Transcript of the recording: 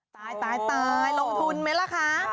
ตายตายลงทุนไหมล่ะคะ